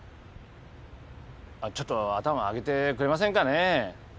ちょっと頭上げてくれませんかね？